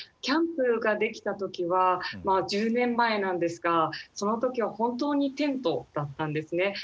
キャンプが出来た時はまあ１０年前なんですがその時は本当にテントだったんですね。